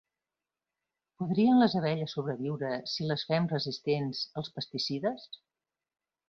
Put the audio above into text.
Podrien les abelles sobreviure si les fem resistents als pesticides?